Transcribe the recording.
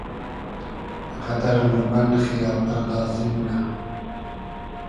غئدئر نوربئن خییال پئردازی مونۂ